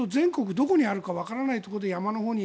どこにあるかわからないところで山のほうに。